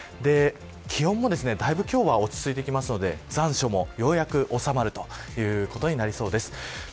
気温もだいぶ落ち着いてきますので残暑もようやくおさまるということになりそうです。